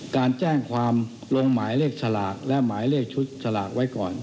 การแจ้งความลงหมายเลขสลากและหมายเลขชุดสลากไว้ก่อน